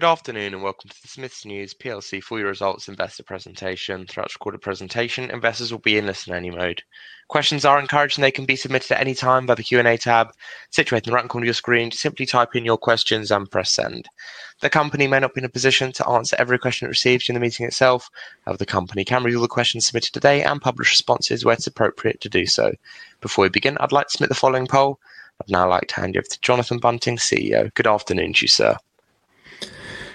Good afternoon and welcome to the Smiths News full-year results investor presentation. Throughout the recorded presentation, investors will be in listen-only mode. Questions are encouraged, and they can be submitted at any time via the Q&A tab situated in the right corner of your screen. Simply type in your questions and press send. The company may not be in a position to answer every question it receives during the meeting itself. However, the company can review the questions submitted today and publish responses where it is appropriate to do so. Before we begin, I'd like to submit the following poll. I'd now like to hand you over to Jonathan Bunting, CEO. Good afternoon to you, sir.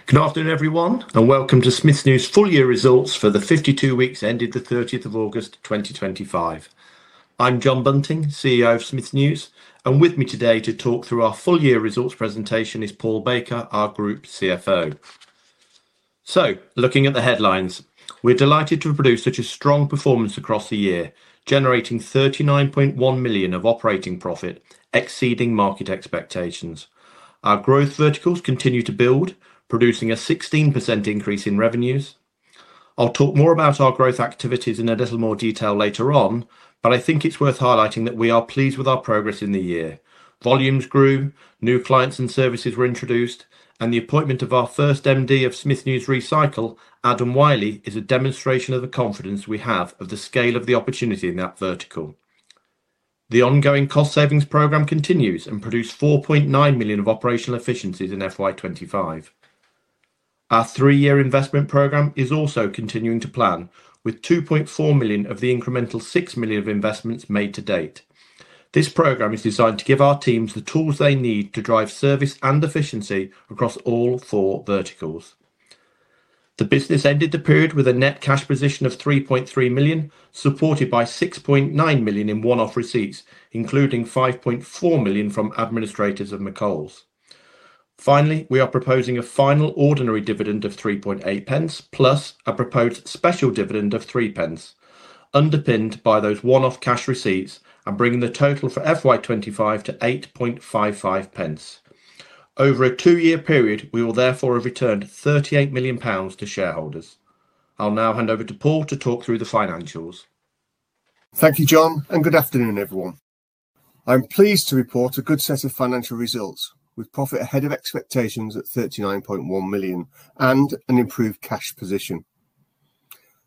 Good afternoon, everyone, and welcome to Smiths News full-year results for the 52 weeks ended the 30th of August, 2025. I'm Jonathan Bunting, CEO of Smiths News, and with me today to talk through our full-year results presentation is Paul Baker, our Group CFO. Looking at the headlines, we're delighted to produce such a strong performance across the year, generating 39.1 million of operating profit, exceeding market expectations. Our growth verticals continue to build, producing a 16% increase in revenues. I'll talk more about our growth activities in a little more detail later on, but I think it's worth highlighting that we are pleased with our progress in the year. Volumes grew, new clients and services were introduced, and the appointment of our first MD of Smiths News Recycle, Adam Wiley, is a demonstration of the confidence we have of the scale of the opportunity in that vertical. The ongoing cost savings programme continues and produced 4.9 million of operational efficiencies in FY 2025. Our three-year investment programme is also continuing to plan, with 2.4 million of the incremental 6 million of investments made to date. This programme is designed to give our teams the tools they need to drive service and efficiency across all four verticals. The business ended the period with a net cash position of 3.3 million, supported by 6.9 million in one-off receipts, including 5.4 million from administrators and McColl’s. Finally, we are proposing a final ordinary dividend of 0.038, plus a proposed special dividend of 0.03, underpinned by those one-off cash receipts and bringing the total for FY 2025 to 0.0855. Over a two-year period, we will therefore have returned 38 million pounds to shareholders. I'll now hand over to Paul to talk through the financials. Thank you, John, and good afternoon, everyone. I'm pleased to report a good set of financial results, with profit ahead of expectations at 39.1 million and an improved cash position.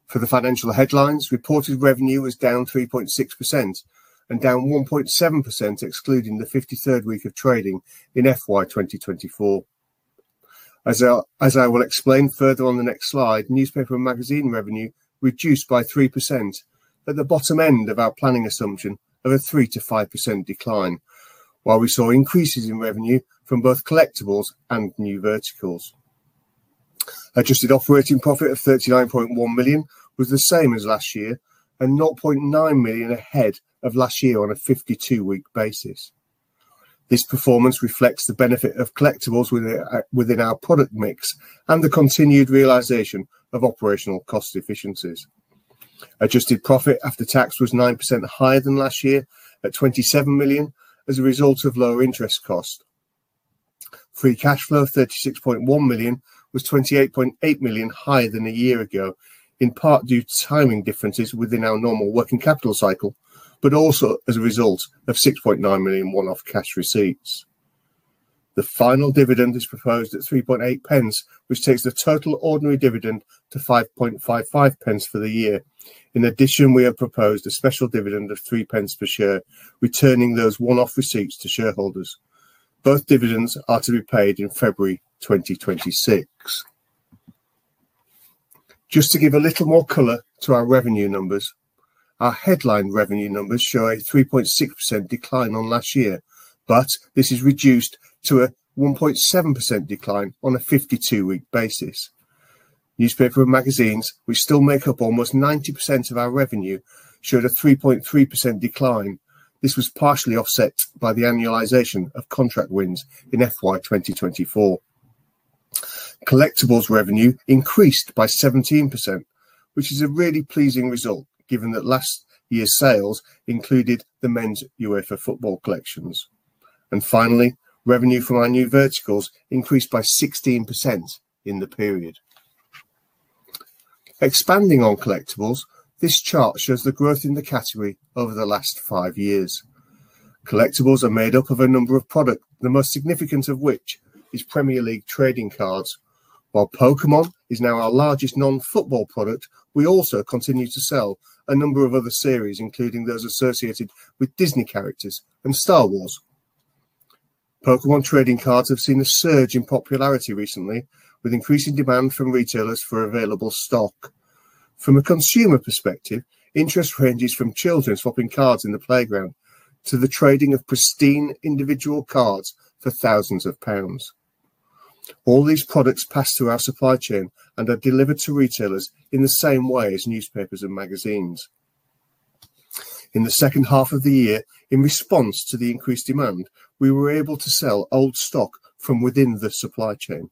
For the financial headlines, reported revenue is down 3.6% and down 1.7%, excluding the 53rd week of trading in FY 2024. As I will explain further on the next slide, newspaper and magazine revenue reduced by 3% at the bottom end of our planning assumption of a 3%-5% decline, while we saw increases in revenue from both collectibles and new verticals. Adjusted operating profit of 39.1 million was the same as last year and 0.9 million ahead of last year on a 52-week basis. This performance reflects the benefit of collectibles within our product mix and the continued realization of operational cost efficiencies. Adjusted profit after tax was 9% higher than last year at 27 million as a result of lower interest cost. Free cash flow of 36.1 million was 28.8 million higher than a year ago, in part due to timing differences within our normal working capital cycle, but also as a result of 6.9 million one-off cash receipts. The final dividend is proposed at 0.038, which takes the total ordinary dividend to 0.0555 for the year. In addition, we have proposed a special dividend of 0.03 per share, returning those one-off receipts to shareholders. Both dividends are to be paid in February 2026. Just to give a little more color to our revenue numbers, our headline revenue numbers show a 3.6% decline on last year, but this is reduced to a 1.7% decline on a 52-week basis. Newspaper and magazines, which still make up almost 90% of our revenue, showed a 3.3% decline. This was partially offset by the annualization of contract wins in FY 2024. Collectibles revenue increased by 17%, which is a really pleasing result given that last year's sales included the men's UEFA football collections. Finally, revenue from our new verticals increased by 16% in the period. Expanding on collectibles, this chart shows the growth in the category over the last five years. Collectibles are made up of a number of products, the most significant of which is English Premier League Trading Cards. While Pokémon is now our largest non-football product, we also continue to sell a number of other series, including those associated with Disney characters and Star Wars. Pokémon Trading Cards have seen a surge in popularity recently, with increasing demand from retailers for available stock. From a consumer perspective, interest ranges from children swapping cards in the playground to the trading of pristine individual cards for thousands of pounds. All these products pass through our supply chain and are delivered to retailers in the same way as newspapers and magazines. In the second half of the year, in response to the increased demand, we were able to sell old stock from within the supply chain.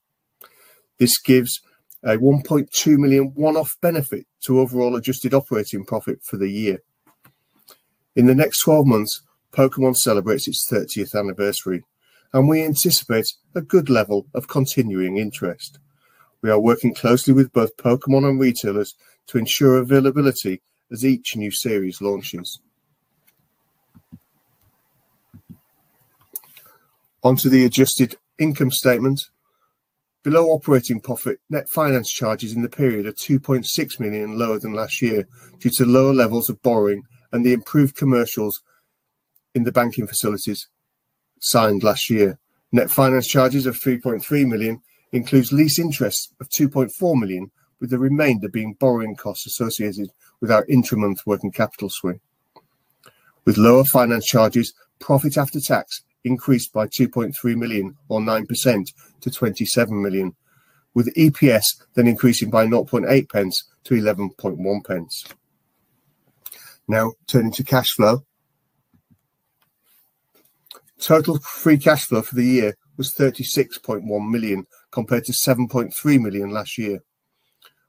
This gives a 1.2 million one-off benefit to overall adjusted operating profit for the year. In the next 12 months, Pokémon celebrates its 30th anniversary, and we anticipate a good level of continuing interest. We are working closely with both Pokémon and retailers to ensure availability as each new series launches. Onto the adjusted income statement. Below operating profit, net finance charges in the period are 2.6 million lower than last year due to lower levels of borrowing and the improved commercials in the banking facilities. Signed last year. Net finance charges of 3.3 million include lease interest of 2.4 million, with the remainder being borrowing costs associated with our intramonth working capital swing. With lower finance charges, profit after tax increased by 2.3 million or 9% to 27 million, with EPS then increasing by 0.08-0.111. Now, turning to cash flow. Total free cash flow for the year was 36.1 million compared to 7.3 million last year.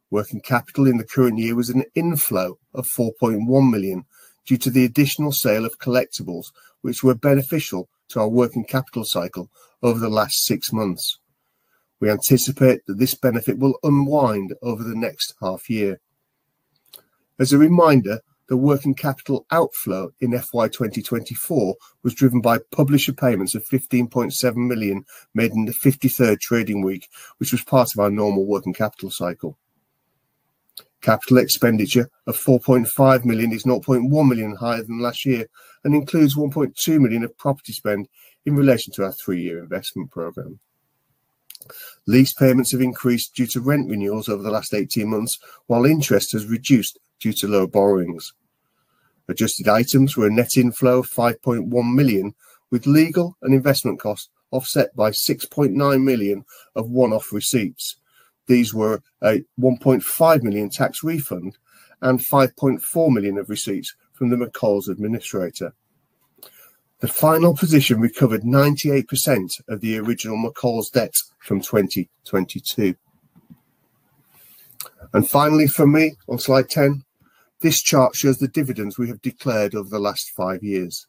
Working capital in the current year was an inflow of 4.1 million due to the additional sale of collectibles, which were beneficial to our working capital cycle over the last six months. We anticipate that this benefit will unwind over the next half year. As a reminder, the working capital outflow in FY 2024 was driven by publisher payments of 15.7 million made in the 53rd trading week, which was part of our normal working capital cycle. Capital expenditure of 4.5 million is 0.1 million higher than last year and includes 1.2 million of property spend in relation to our three-year investment program. Lease payments have increased due to rent renewals over the last 18 months, while interest has reduced due to lower borrowings. Adjusted items were a net inflow of 5.1 million, with legal and investment costs offset by 6.9 million of one-off receipts. These were a 1.5 million tax refund and 5.4 million of receipts from the McColl’s administrator. The final position recovered 98% of the original McColl’s debts from 2022. Finally, for me, on slide 10, this chart shows the dividends we have declared over the last five years.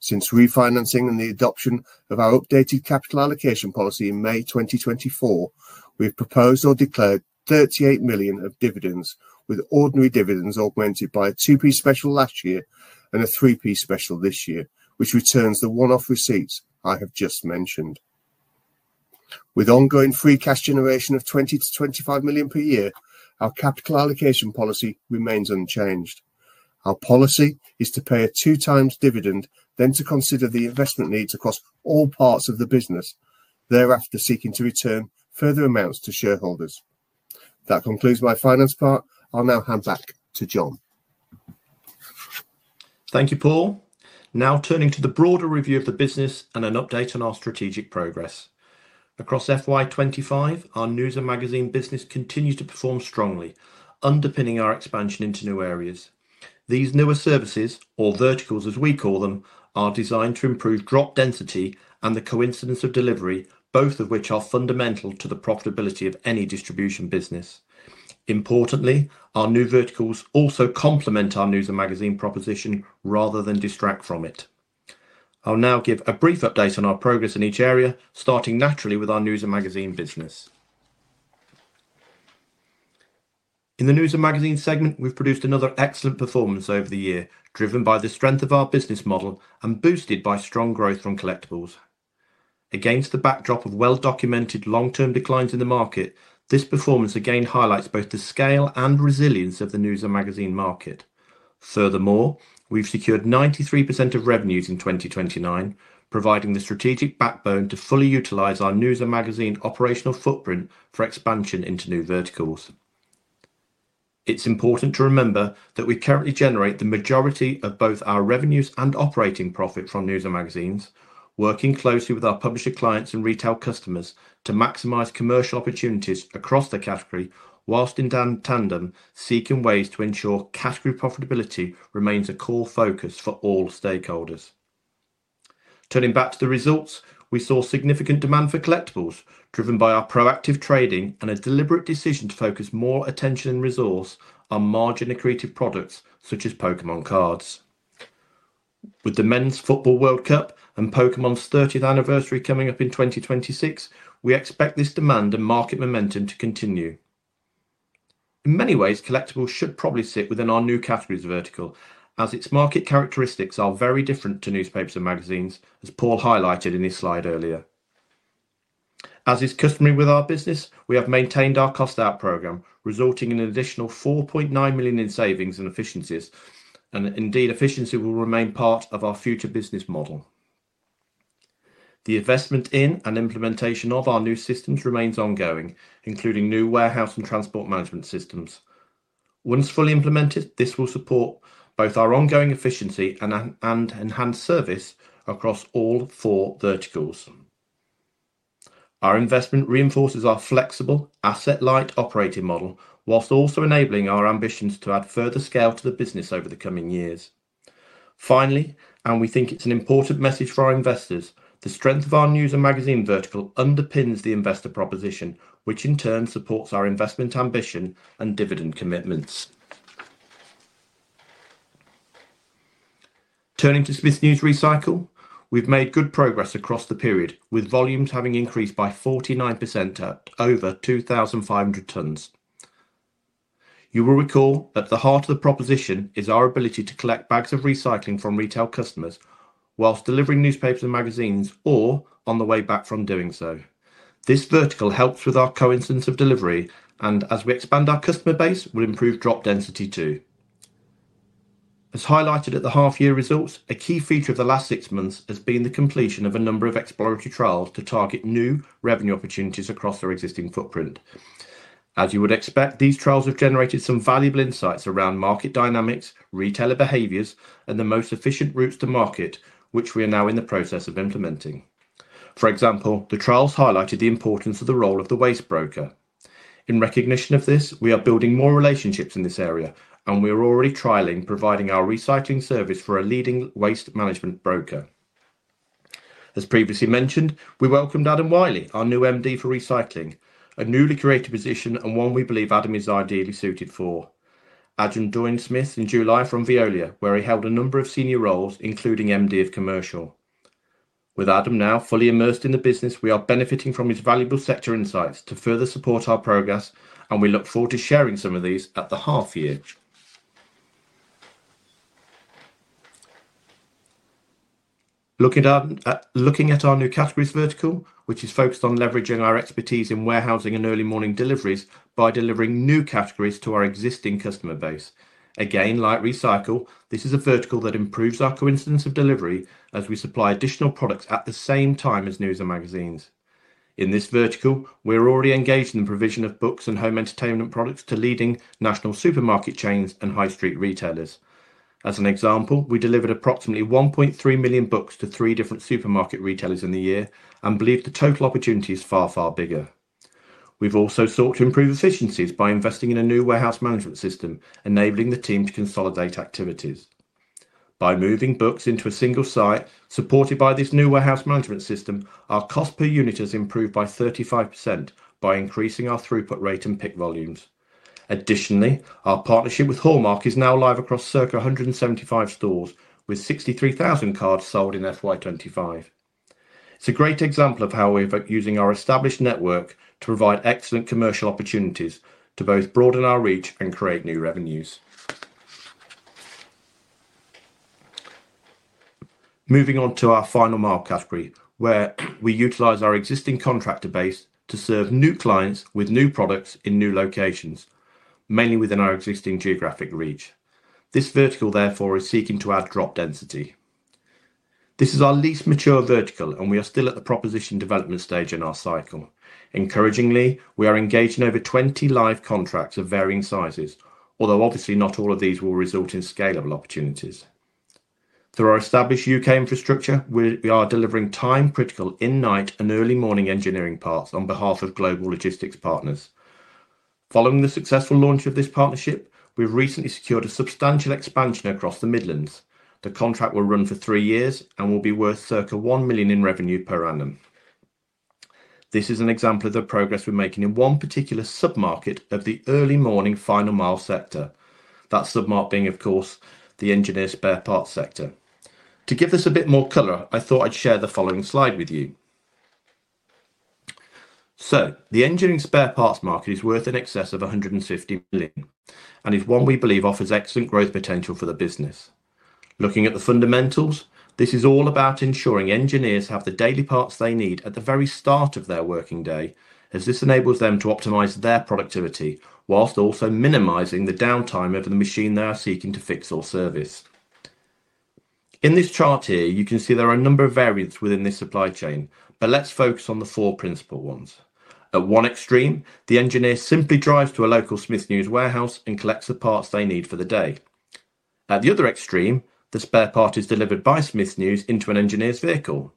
Since refinancing and the adoption of our updated capital allocation policy in May 2024, we have proposed or declared 38 million of dividends, with ordinary dividends augmented by a 0.02 special last year and a 0.03 special this year, which returns the one-off receipts I have just mentioned. With ongoing free cash generation of 20million-25 million per year, our capital allocation policy remains unchanged. Our policy is to pay a two-times dividend, then to consider the investment needs across all parts of the business. Thereafter, seeking to return further amounts to shareholders. That concludes my finance part. I'll now hand back to John. Thank you, Paul. Now turning to the broader review of the business and an update on our strategic progress. Across FY 2025, our news and magazine business continues to perform strongly, underpinning our expansion into new areas. These newer services, or verticals as we call them, are designed to improve drop density and the coincidence of delivery, both of which are fundamental to the profitability of any distribution business. Importantly, our new verticals also complement our news and magazine proposition rather than distract from it. I'll now give a brief update on our progress in each area, starting naturally with our news and magazine business. In the news and magazine segment, we've produced another excellent performance over the year, driven by the strength of our business model and boosted by strong growth from collectibles. Against the backdrop of well-documented long-term declines in the market, this performance again highlights both the scale and resilience of the news and magazine market. Furthermore, we've secured 93% of revenues in 2029, providing the strategic backbone to fully utilize our news and magazine operational footprint for expansion into new verticals. It's important to remember that we currently generate the majority of both our revenues and operating profit from news and magazines, working closely with our publisher clients and retail customers to maximize commercial opportunities across the category, whilst in tandem seeking ways to ensure category profitability remains a core focus for all stakeholders. Turning back to the results, we saw significant demand for collectibles, driven by our proactive trading and a deliberate decision to focus more attention and resource on margin-accretive products such as Pokémon cards. With the men's football World Cup and Pokémon's 30th anniversary coming up in 2026, we expect this demand and market momentum to continue. In many ways, collectibles should probably sit within our new categories vertical, as its market characteristics are very different to newspapers and magazines, as Paul highlighted in his slide earlier. As is customary with our business, we have maintained our cost-out program, resulting in an additional 4.9 million in savings and efficiencies, and indeed efficiency will remain part of our future business model. The investment in and implementation of our new systems remains ongoing, including new warehouse management system and transport management system. Once fully implemented, this will support both our ongoing efficiency and enhanced service across all four verticals. Our investment reinforces our flexible, asset-light operating model, whilst also enabling our ambitions to add further scale to the business over the coming years. Finally, and we think it's an important message for our investors, the strength of our news and magazine vertical underpins the investor proposition, which in turn supports our investment ambition and dividend commitments. Turning to Smiths News Recycle, we've made good progress across the period, with volumes having increased by 49% over 2,500 tons. You will recall that the heart of the proposition is our ability to collect bags of recycling from retail customers whilst delivering newspapers and magazines or on the way back from doing so. This vertical helps with our coincidence of delivery, and as we expand our customer base, we'll improve drop density too. As highlighted at the half-year results, a key feature of the last six months has been the completion of a number of exploratory trials to target new revenue opportunities across our existing footprint. As you would expect, these trials have generated some valuable insights around market dynamics, retailer behaviors, and the most efficient routes to market, which we are now in the process of implementing. For example, the trials highlighted the importance of the role of the waste broker. In recognition of this, we are building more relationships in this area, and we are already trialing providing our recycling service for a leading waste management broker. As previously mentioned, we welcomed Adam Wiley, our new MD for recycling, a newly created position and one we believe Adam is ideally suited for. Adam joined Smiths News in July from Veolia, where he held a number of senior roles, including MD of commercial. With Adam now fully immersed in the business, we are benefiting from his valuable sector insights to further support our progress, and we look forward to sharing some of these at the half-year. Looking at our new categories vertical, which is focused on leveraging our expertise in warehousing and early morning deliveries by delivering new categories to our existing customer base. Again, like Recycle, this is a vertical that improves our coincidence of delivery as we supply additional products at the same time as news and magazines. In this vertical, we're already engaged in the provision of books and home entertainment products to leading national supermarket chains and high street retailers. As an example, we delivered approximately 1.3 million books to three different supermarket retailers in the year and believe the total opportunity is far, far bigger. We've also sought to improve efficiencies by investing in a new warehouse management system, enabling the team to consolidate activities. By moving books into a single site, supported by this new warehouse management system, our cost per unit has improved by 35% by increasing our throughput rate and pick volumes. Additionally, our partnership with Hallmark is now live across circa 175 stores, with 63,000 cards sold in FY 2025. It's a great example of how we're using our established network to provide excellent commercial opportunities to both broaden our reach and create new revenues. Moving on to our final mile category, where we utilize our existing contractor base to serve new clients with new products in new locations, mainly within our existing geographic reach. This vertical, therefore, is seeking to add drop density. This is our least mature vertical, and we are still at the proposition development stage in our cycle. Encouragingly, we are engaged in over 20 live contracts of varying sizes, although obviously not all of these will result in scalable opportunities. Through our established U.K. infrastructure, we are delivering time-critical in-night and early morning engineering parts on behalf of global logistics partners. Following the successful launch of this partnership, we've recently secured a substantial expansion across the Midlands. The contract will run for three years and will be worth 1 million in revenue per annum. This is an example of the progress we're making in one particular submarket of the early morning final mile sector, that submarket being, of course, the engineering spare parts sector. To give this a bit more color, I thought I'd share the following slide with you. The engineering spare parts market is worth in excess of 150 million, and it's one we believe offers excellent growth potential for the business. Looking at the fundamentals, this is all about ensuring engineers have the daily parts they need at the very start of their working day, as this enables them to optimize their productivity whilst also minimizing the downtime of the machine they are seeking to fix or service. In this chart here, you can see there are a number of variants within this supply chain, but let's focus on the four principal ones. At one extreme, the engineer simply drives to a local Smiths News warehouse and collects the parts they need for the day. At the other extreme, the spare part is delivered by Smiths News into an engineer's vehicle.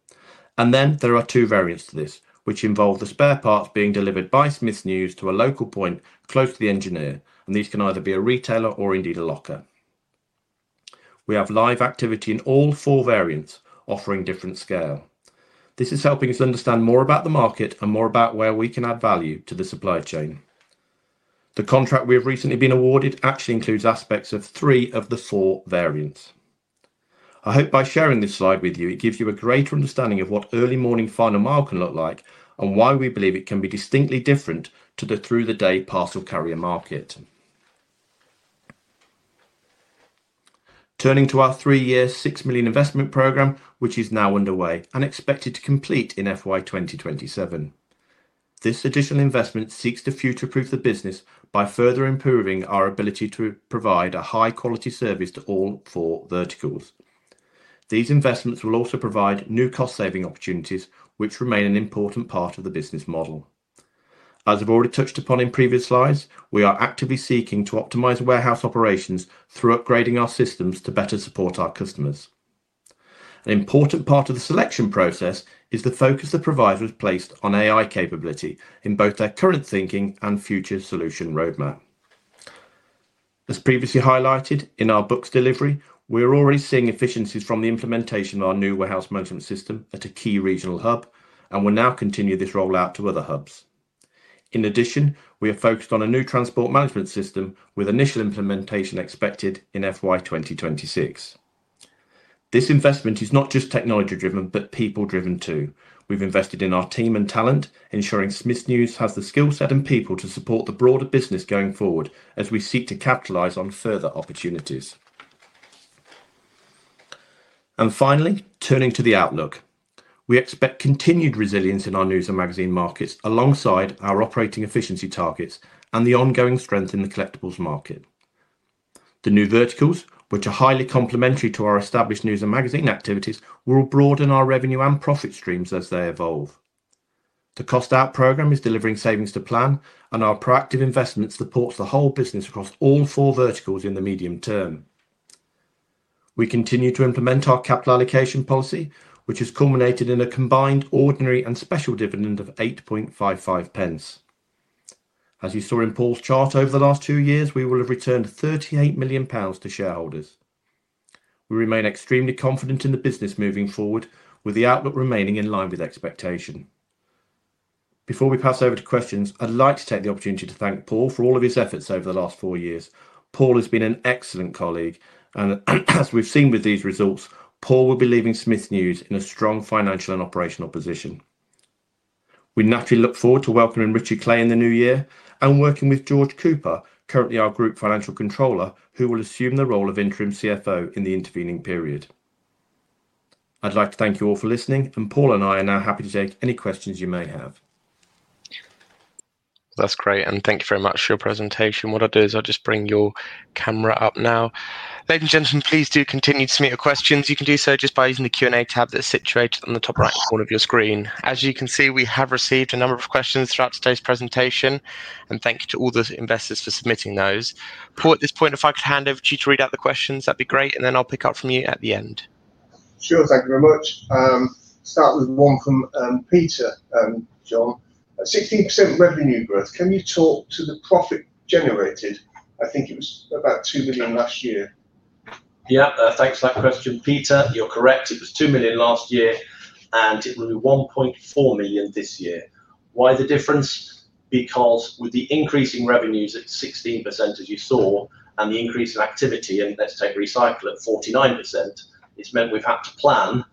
Then there are two variants to this, which involve the spare parts being delivered by Smiths News to a local point close to the engineer, and these can either be a retailer or indeed a locker. We have live activity in all four variants, offering different scale. This is helping us understand more about the market and more about where we can add value to the supply chain. The contract we have recently been awarded actually includes aspects of three of the four variants. I hope by sharing this slide with you, it gives you a greater understanding of what early morning final mile can look like and why we believe it can be distinctly different to the through-the-day parcel carrier market. Turning to our three-year 6 million investment program, which is now underway and expected to complete in FY 2027. This additional investment seeks to future-proof the business by further improving our ability to provide a high-quality service to all four verticals. These investments will also provide new cost-saving opportunities, which remain an important part of the business model. As I've already touched upon in previous slides, we are actively seeking to optimize warehouse operations through upgrading our systems to better support our customers. An important part of the selection process is the focus the provider has placed on AI capability in both their current thinking and future solution roadmap. As previously highlighted in our books delivery, we are already seeing efficiencies from the implementation of our new warehouse management system at a key regional hub, and we'll now continue this rollout to other hubs. In addition, we are focused on a new transport management system with initial implementation expected in FY 2026. This investment is not just technology-driven, but people-driven too. We've invested in our team and talent, ensuring Smiths News has the skill set and people to support the broader business going forward as we seek to capitalize on further opportunities. Finally, turning to the outlook, we expect continued resilience in our news and magazine markets alongside our operating efficiency targets and the ongoing strength in the collectibles market. The new verticals, which are highly complementary to our established news and magazine activities, will broaden our revenue and profit streams as they evolve. The cost-out program is delivering savings to plan, and our proactive investment supports the whole business across all four verticals in the medium term. We continue to implement our capital allocation policy, which has culminated in a combined ordinary and special dividend of 0.0855. As you saw in Paul's chart over the last two years, we will have returned 38 million pounds to shareholders. We remain extremely confident in the business moving forward, with the outlook remaining in line with expectation. Before we pass over to questions, I'd like to take the opportunity to thank Paul for all of his efforts over the last four years. Paul has been an excellent colleague, and as we've seen with these results, Paul will be leaving Smiths News in a strong financial and operational position. We naturally look forward to welcoming Richard Clay in the new year and working with George Cooper, currently our Group Financial Controller, who will assume the role of interim CFO in the intervening period. I'd like to thank you all for listening, and Paul and I are now happy to take any questions you may have. That's great, and thank you very much for your presentation. What I'll do is I'll just bring your camera up now. Ladies and gentlemen, please do continue to submit your questions. You can do so just by using the Q&A tab that's situated on the top right corner of your screen. As you can see, we have received a number of questions throughout today's presentation, and thank you to all the investors for submitting those. Paul, at this point, if I could hand over to you to read out the questions, that'd be great, and then I'll pick up from you at the end. Sure, thank you very much. Start with one from Peter, John. 16% revenue growth, can you talk to the profit generated? I think it was 2 million last year. Yeah, thanks for that question, Peter. You're correct. It was 2 million last year, and it will be 1.4 million this year. Why the difference? Because with the increasing revenues at 16%, as you saw, and the increase in activity, and let's take Recycle at 49%, it's meant we've had to plan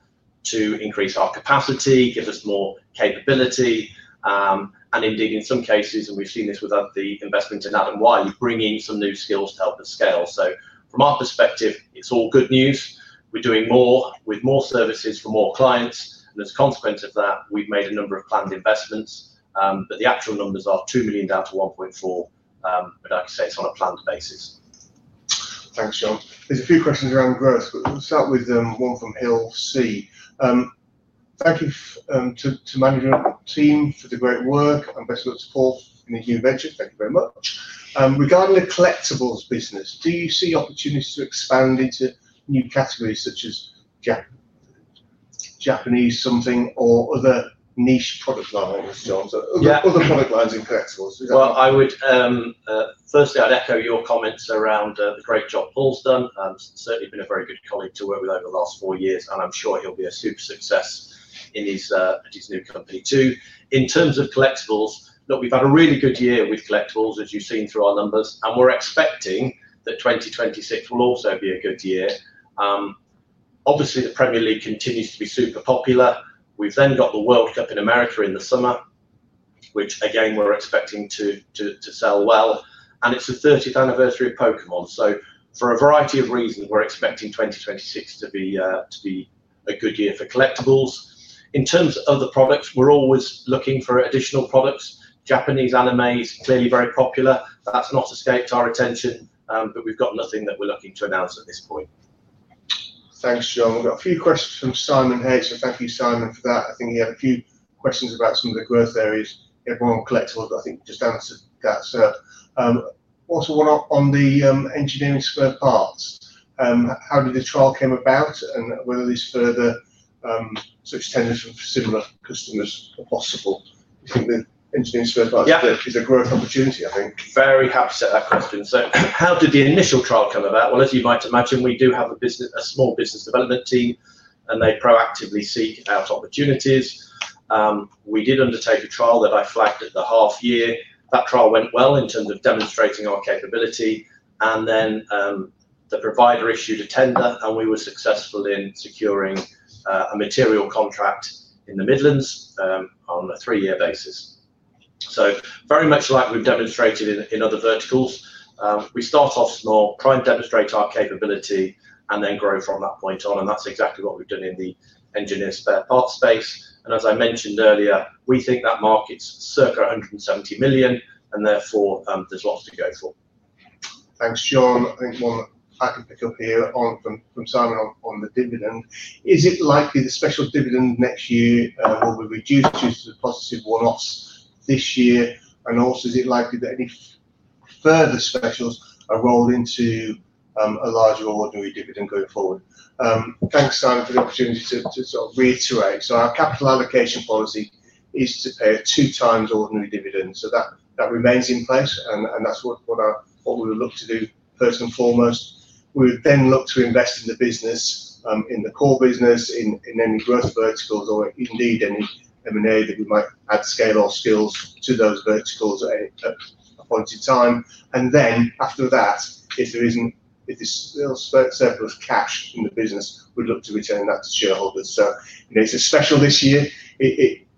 to increase our capacity, give us more capability. And indeed, in some cases, and we've seen this with the investment in Adam Wiley, bringing some new skills to help us scale. From our perspective, it's all good news. We're doing more with more services for more clients, and as a consequence of that, we've made a number of planned investments, but the actual numbers are 2 million down to 1.4 million. Like I say, it's on a planned basis. Thanks, John. There's a few questions around growth, but we'll start with one from Hill C. Thank you to the management team for the great work and best of luck to Paul in his new venture. Thank you very much. Regarding the collectibles business, do you see opportunities to expand into new categories such as Japanese something or other niche product lines, John? Other product lines in collectibles. I would. Firstly, I'd echo your comments around the great job Paul's done. Certainly been a very good colleague to work with over the last four years, and I'm sure he'll be a super success in his new company too. In terms of collectibles, look, we've had a really good year with collectibles, as you've seen through our numbers, and we're expecting that 2026 will also be a good year. Obviously, the Premier League continues to be super popular. We've then got the World Cup in America in the summer, which again, we're expecting to sell well, and it's the 30th anniversary of Pokémon. For a variety of reasons, we're expecting 2026 to be a good year for collectibles. In terms of other products, we're always looking for additional products. Japanese anime is clearly very popular. That's not escaped our attention, but we've got nothing that we're looking to announce at this point. Thanks, John. We've got a few questions from Simon Hay. Thank you, Simon, for that. I think he had a few questions about some of the growth areas. He had more on collectibles that I think just answered that. Also, one on the engineering spare parts. How did the trial come about and whether there's further such tenders from similar customers possible? I think the engineering spare parts is a growth opportunity, I think. Very happy to take that question. How did the initial trial come about? As you might imagine, we do have a small business development team, and they proactively seek out opportunities. We did undertake a trial that I flagged at the half year. That trial went well in terms of demonstrating our capability, and then the provider issued a tender, and we were successful in securing a material contract in the Midlands on a three-year basis. Very much like we've demonstrated in other verticals, we start off small, try and demonstrate our capability, and then grow from that point on. That's exactly what we've done in the engineering spare parts space. As I mentioned earlier, we think that market's circa 170 million, and therefore there's lots to go for. Thanks, John. I think one I can pick up here from Simon on the dividend. Is it likely the special dividend next year will be reduced due to the positive one-offs this year? Also, is it likely that any further specials are rolled into a larger ordinary dividend going forward? Thanks, Simon, for the opportunity to sort of reiterate. Our capital allocation policy is to pay a two-times ordinary dividend. That remains in place, and that's what we would look to do first and foremost. We would then look to invest in the business, in the core business, in any growth verticals, or indeed any M&A that we might add scale or skills to those verticals at a point in time. After that, if there's still surplus cash in the business, we'd look to return that to shareholders. It's a special this year.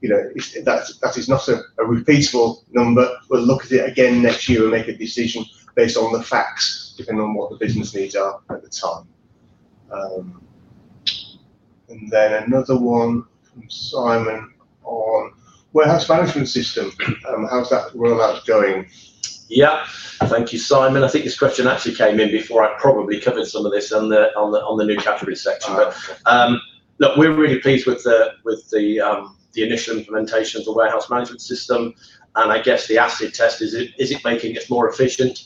That is not a repeatable number. We'll look at it again next year and make a decision based on the facts, depending on what the business needs are at the time. Another one from Simon on warehouse management system. How's that rollout going? Thank you, Simon. I think this question actually came in before I probably covered some of this on the new category section. We're really pleased with the initial implementation of the warehouse management system, and I guess the acid test is, is it making us more efficient?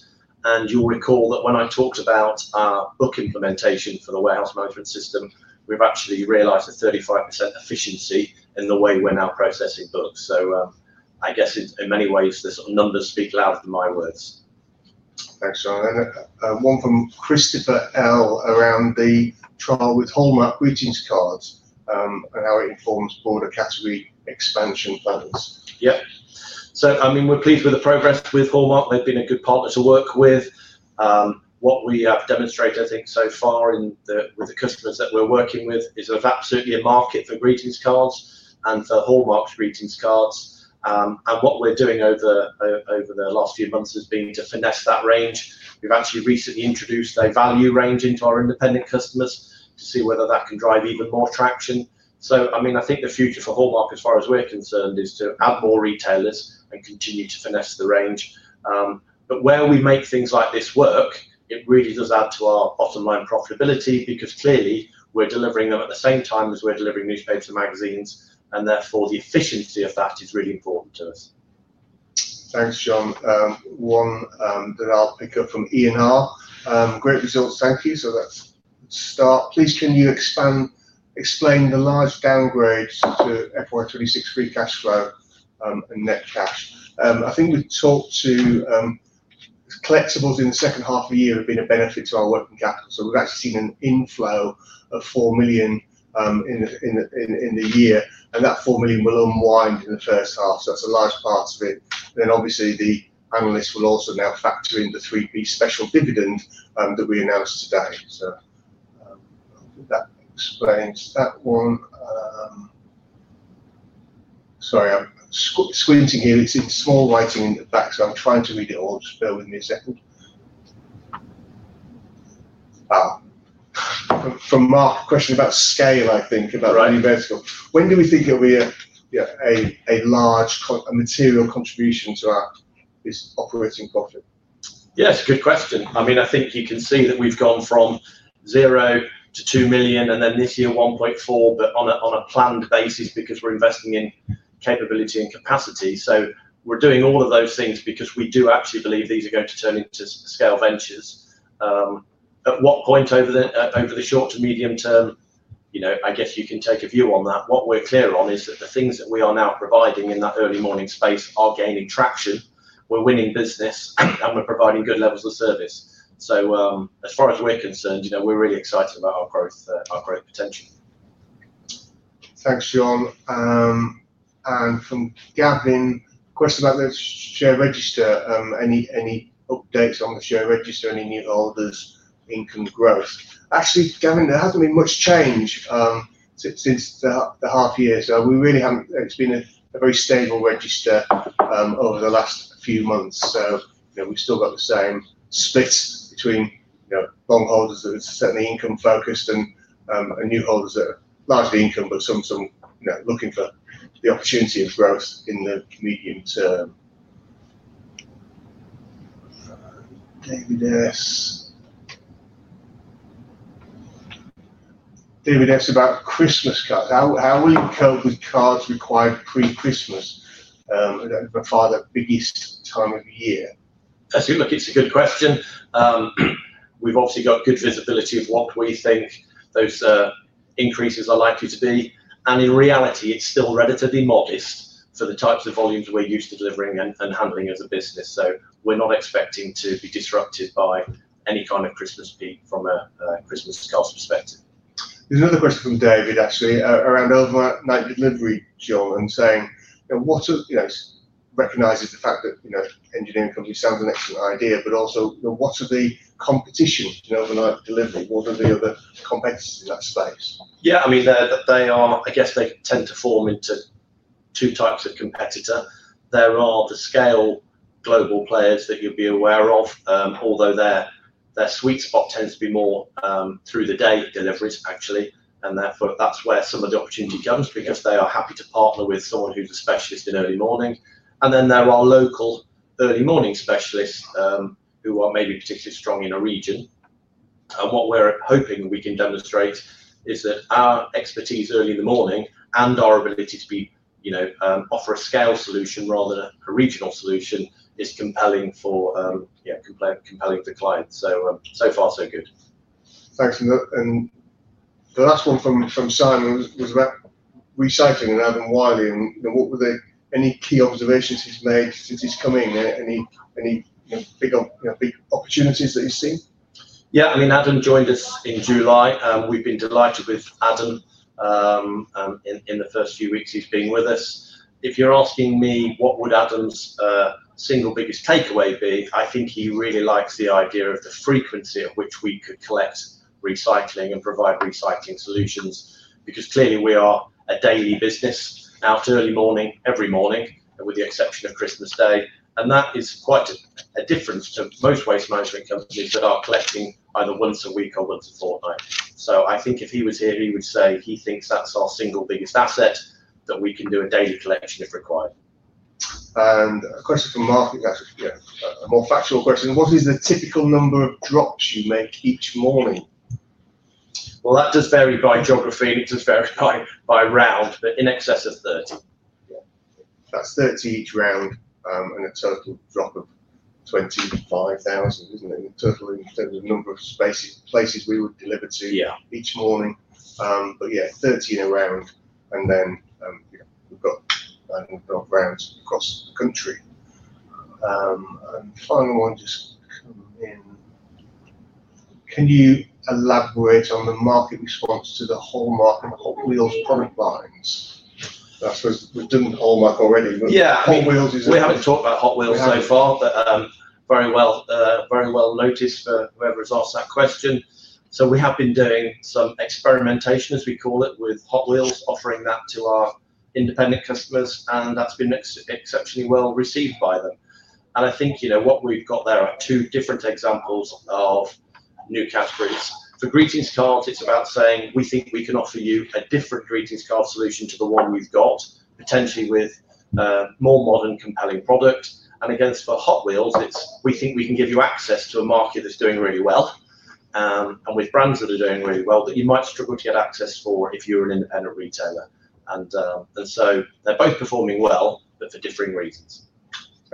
You'll recall that when I talked about our book implementation for the warehouse management system, we've actually realized a 35% efficiency in the way we're now processing books. In many ways, the numbers speak louder than my words. Thanks, John. One from Christopher L around the trial with Hallmark greeting cards and how it informs broader category expansion plans. We're pleased with the progress with Hallmark. They've been a good partner to work with. What we have demonstrated, I think, so far with the customers that we're working with is we have absolutely a market for greeting cards and for Hallmark greeting cards. What we're doing over the last few months has been to finesse that range. We've actually recently introduced a value range into our independent customers to see whether that can drive even more traction. I think the future for Hallmark, as far as we're concerned, is to add more retailers and continue to finesse the range. But where we make things like this work, it really does add to our bottom line profitability because clearly we're delivering them at the same time as we're delivering newspapers and magazines, and therefore the efficiency of that is really important to us. Thanks, John. One that I'll pick up from ENR. Great results, thank you. That is a start. Please, can you explain the large downgrade to FY 2026 free cash flow and net cash? I think we've talked to. Collectibles in the second half of the year have been a benefit to our working capital. We've actually seen an inflow of 4 million in the year, and that 4 million will unwind in the first half. That is a large part of it. Obviously, the analysts will also now factor in the 0.03 special dividend that we announced today. That explains that one. Sorry, I'm squinting here. It's in small writing in the back, so I'm trying to read it all. Just bear with me a second. From Mark, a question about scale, I think, about the new vertical. When do we think it'll be a large, a material contribution to our operating profit? Yes, good question. I mean, I think you can see that we've gone from zero to 2 million, and then this year 1.4 million, but on a planned basis because we're investing in capability and capacity. We're doing all of those things because we do actually believe these are going to turn into scale ventures. At what point over the short to medium term, I guess you can take a view on that. What we're clear on is that the things that we are now providing in that early morning space are gaining traction. We're winning business, and we're providing good levels of service. As far as we're concerned, we're really excited about our growth potential. Thanks, John. From Gavin, a question about the share register. Any updates on the share register? Any new holders? Income growth? Actually, Gavin, there hasn't been much change since the half year. We really haven't—it's been a very stable register over the last few months. We've still got the same split between long holders that are certainly income-focused and new holders that are largely income, but some looking for the opportunity of growth in the medium term. David S. David S. about Christmas cards. How will you cope with cards required pre-Christmas? By far, the biggest time of the year. That is it. Look, it's a good question. We've obviously got good visibility of what we think those increases are likely to be. In reality, it's still relatively modest for the types of volumes we're used to delivering and handling as a business. We're not expecting to be disrupted by any kind of Christmas peak from a Christmas cards perspective. There's another question from David, actually, around overnight delivery, John, and saying. Recognizes the fact that engineering companies sound an excellent idea, but also what are the competition in overnight delivery? What are the other competitors in that space? Yeah, I mean, I guess they tend to form into two types of competitor. There are the scale global players that you'd be aware of, although their sweet spot tends to be more through-the-day deliveries, actually. That is where some of the opportunity comes because they are happy to partner with someone who's a specialist in early morning. There are local early morning specialists who are maybe particularly strong in a region. What we're hoping we can demonstrate is that our expertise early in the morning and our ability to offer a scale solution rather than a regional solution is compelling to clients. So far, so good. Thanks. The last one from Simon was about recycling and Adam Wiley. What were any key observations he's made since he's come in? Any big opportunities that he's seen? Yeah, I mean, Adam joined us in July. We've been delighted with Adam. In the first few weeks he's been with us. If you're asking me what would Adam's single biggest takeaway be, I think he really likes the idea of the frequency at which we could collect recycling and provide recycling solutions because clearly we are a daily business out early morning, every morning, with the exception of Christmas Day. That is quite a difference to most waste management companies that are collecting either once a week or once a fortnight. I think if he was here, he would say he thinks that's our single biggest asset, that we can do a daily collection if required. A question from Mark, yeah, a more factual question. What is the typical number of drops you make each morning? That does vary by geography, and it does vary by round, but in excess of 30. That's 30 each round and a total drop of 25,000, isn't it? In total, in terms of number of places we would deliver to each morning. Yeah, 30 in a round. We've got rounds across the country. The final one just come in. Can you elaborate on the market response to the Hallmark and Hot Wheels product lines? I suppose we've done Hallmark already, but Hot Wheels is— We haven't talked about Hot Wheels so far, but very well. Noticed for whoever has asked that question. We have been doing some experimentation, as we call it, with Hot Wheels, offering that to our independent customers, and that's been exceptionally well received by them. I think what we've got there are two different examples of new categories. For greetings cards, it's about saying, "We think we can offer you a different greetings card solution to the one we've got, potentially with. More modern, compelling products. And again, for Hot Wheels, it's, "We think we can give you access to a market that's doing really well. And with brands that are doing really well that you might struggle to get access for if you're an independent retailer." And so they're both performing well, but for differing reasons.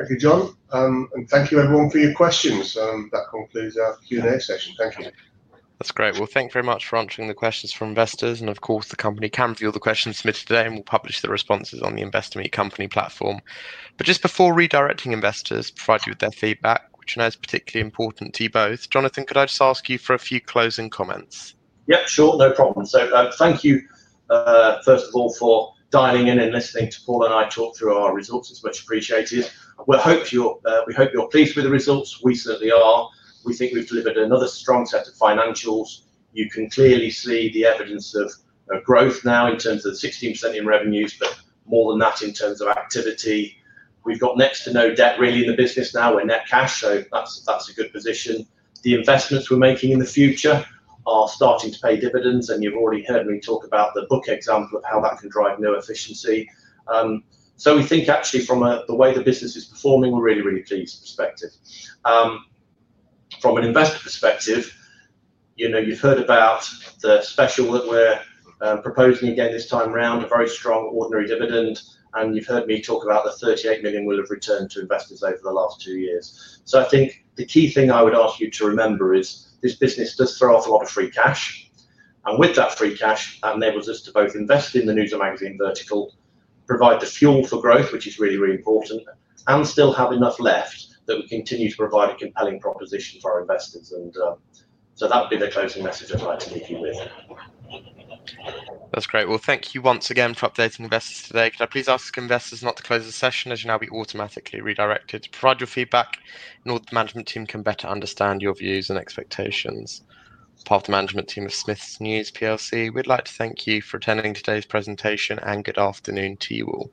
Thank you, John. And thank you, everyone, for your questions. That concludes our Q&A session. Thank you. That's great. Thank you very much for answering the questions from investors. Of course, the company can view all the questions submitted today, and we'll publish the responses on the InvestorMeet Company platform. Just before redirecting investors, provide you with their feedback, which I know is particularly important to you both. Jonathan, could I just ask you for a few closing comments? Yep, sure. No problem. Thank you. First of all, for dialing in and listening to Paul and I talk through our results, as much appreciated. We hope you're pleased with the results. We certainly are. We think we've delivered another strong set of financials. You can clearly see the evidence of growth now in terms of 16% in revenues, but more than that in terms of activity. We've got next to no debt really in the business now. We're net cash, so that's a good position. The investments we're making in the future are starting to pay dividends, and you've already heard me talk about the book example of how that can drive new efficiency. We think, actually, from the way the business is performing, we're really, really pleased perspective. From an investor perspective. You've heard about the special that we're proposing again this time around, a very strong ordinary dividend, and you've heard me talk about the 38 million we'll have returned to investors over the last two years. I think the key thing I would ask you to remember is this business does throw off a lot of free cash. With that free cash, that enables us to both invest in the news and magazine vertical, provide the fuel for growth, which is really, really important, and still have enough left that we continue to provide a compelling proposition for our investors. That would be the closing message I'd like to leave you with. That's great. Thank you once again for updating investors today. Could I please ask investors not to close the session as you'll now be automatically redirected to provide your feedback, and all the management team can better understand your views and expectations. Part of the management team of Smiths News, we'd like to thank you for attending today's presentation, and good afternoon to you all.